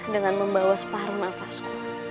dengan membawa separuh nafasku